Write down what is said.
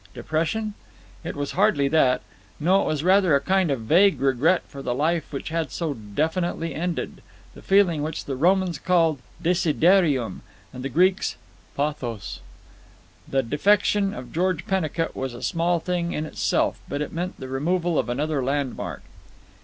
Depression? It was hardly that. No, it was rather a kind of vague regret for the life which had so definitely ended, the feeling which the Romans called desiderium and the Greeks pathos. The defection of George Pennicut was a small thing in itself, but it meant the removal of another landmark.